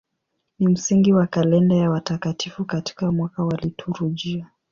Ni msingi wa kalenda ya watakatifu katika mwaka wa liturujia.